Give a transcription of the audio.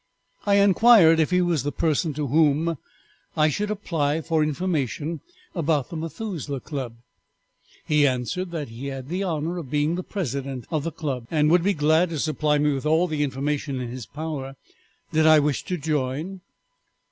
"I inquired if he was the person to whom I should apply for information about the Methuselah Club. "He answered that he had the honor of being the president of the club, and would be glad to supply me with all information in his power. Did I wish to join?